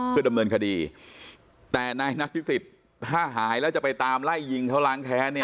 เพื่อดำเนินคดีแต่นายนัทพิสิทธิ์ถ้าหายแล้วจะไปตามไล่ยิงเขาล้างแค้นเนี่ย